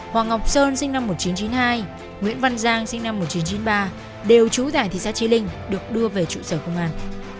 hoàng ngọc sơn sinh năm một nghìn chín trăm chín mươi hai nguyễn văn giang sinh năm một nghìn chín trăm chín mươi ba đều trú tại thị xã trí linh được đưa về trụ sở công an